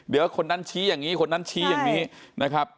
เดี๋ยวคนนั้นชี้อย่างนี้คนนั้นชี้อย่างนี้นะครับ